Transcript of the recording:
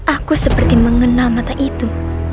aku seperti mengenal mata itu